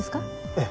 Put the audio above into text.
ええ。